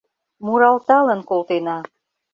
Муралталын колтена.